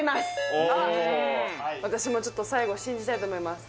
お私もちょっと最後信じたいと思います